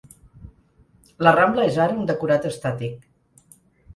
La Rambla és ara un decorat estàtic.